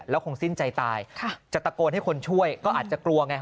แล้วคงสิ้นใจตายจะตะโกนให้คนช่วยก็อาจจะกลัวไง